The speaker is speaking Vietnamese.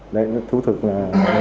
đấy thú thực là